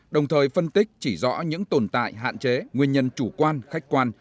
đồng thời phân tích chỉ rõ những tồn tại hạn chế nguyên nhân chủ quan khách quan